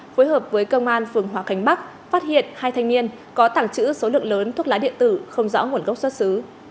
phối hợp với công an phường hòa khánh bắc phát hiện hai thanh niên có tảng chữ số lượng lớn thuốc lá điện tử không rõ nguồn gốc xuất xứ